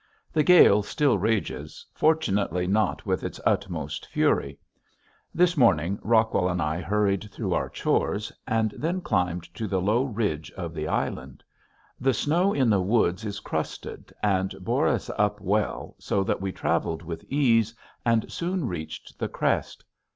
The gale still rages, fortunately not with its utmost fury. This morning Rockwell and I hurried through our chores and then climbed to the low ridge of the island. The snow in the woods is crusted and bore us up well so that we traveled with ease and soon reached the crest.